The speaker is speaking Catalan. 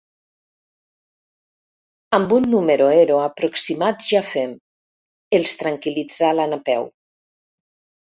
Amb un número ero aproximat ja fem —els tranquil·litzà la Napeu—.